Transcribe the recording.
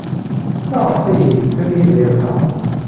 Maɣef ay yedder Yidir da?